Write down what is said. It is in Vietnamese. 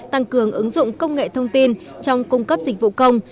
tăng cường ứng dụng công nghệ thông tin trong cung cấp dịch vụ công